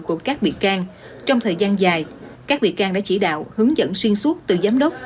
của các bị can trong thời gian dài các bị can đã chỉ đạo hướng dẫn xuyên suốt từ giám đốc